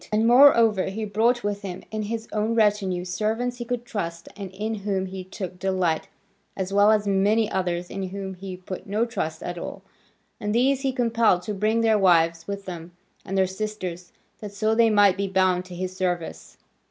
And moreover he brought with him in his own retinue servants he could trust and in whom he took delight, as well as many others in whom he put no trust at all, and these he compelled to bring their wives with them, and their sisters, that so they might be bound to his service.